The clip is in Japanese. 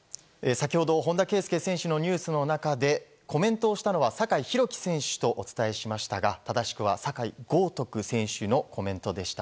先ほど、本田圭佑選手のニュースの中でコメントをしたのは酒井宏樹選手とお伝えしましたが正しくは酒井高徳選手のコメントでした。